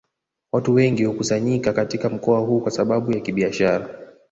Watu wengi hukusanyika katika mkoa huu kwa sababu ya kibiashara